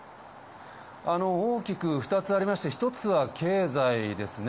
大きく２つありまして、１つは経済ですね。